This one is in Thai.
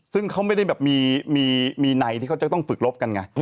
ซึ่งเขาไม่ได้แบบมีในที่เขาจะต้องฝึกลบกันไง